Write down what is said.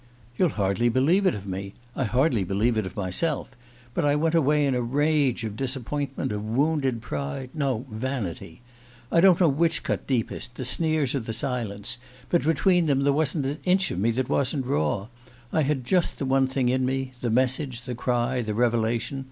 "You'll hardly believe it of me; I hardly believe it of myself; but I went away in a rage of disappointment, of wounded pride no, vanity! I don't know which cut deepest the sneers or the silence but between them, there wasn't an inch of me that wasn't raw. I had just the one thing in me: the message, the cry, the revelation.